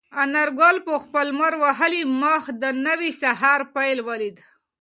انارګل په خپل لمر وهلي مخ د نوي سهار پیل ولید.